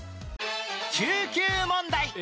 中級問題